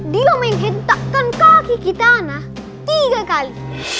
dia menghentakkan kaki kita nah tiga kali